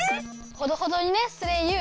ほどほどにねソレイユ。